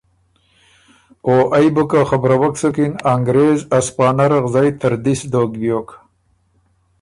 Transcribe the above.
او ائ بُو که خبروک سُکِن انګرېز ا سپانه رغزئ تردِس دوک بیوک۔